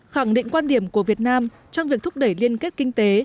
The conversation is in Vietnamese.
khẳng định quan điểm của việt nam trong việc thúc đẩy liên kết kinh tế